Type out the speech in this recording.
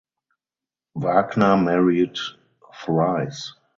Wagner married thrice.